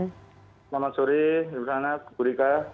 selamat sore ibu rana bu rika